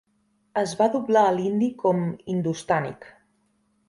Es va doblar a l'hindi com "hindustànic".